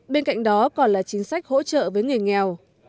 bên cạnh đó còn là chính sách hỗ trợ với người nghèo